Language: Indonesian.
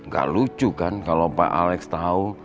gak lucu kan kalau pak alex tahu